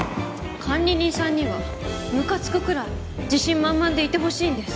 管理人さんにはムカつくくらい自信満々でいてほしいんです。